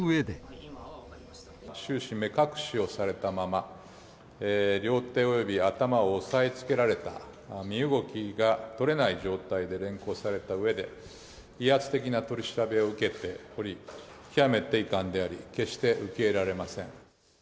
終始、目隠しをされたまま、両手および頭を押さえつけられた、身動きが取れない状態で連行されたうえで、威圧的な取り調べを受けており、極めて遺憾であり、決して受け入